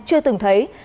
chưa từng thấy